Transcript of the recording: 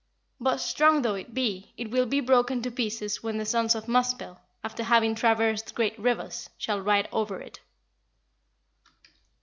But, strong though it be, it will be broken to pieces when the sons of Muspell, after having traversed great rivers, shall ride over it."